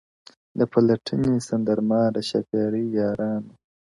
o د پلټني سندرماره شـاپـيـرۍ يــارانــو ـ